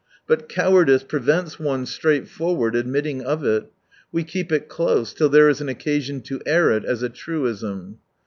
But cowardice prevents one straightforward admitting of it, we keep it close till there is an occasion to air it as a truism.